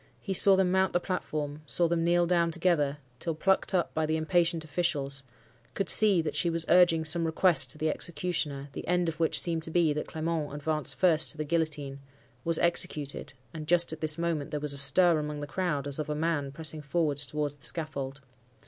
He saw them mount the platform; saw them kneel down together till plucked up by the impatient officials; could see that she was urging some request to the executioner; the end of which seemed to be, that Clement advanced first to the guillotine, was executed (and just at this moment there was a stir among the crowd, as of a man pressing forward towards the scaffold).